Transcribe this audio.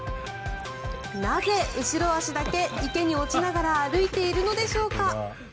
なぜ後ろ足だけ池に落ちながら歩いているのでしょうか。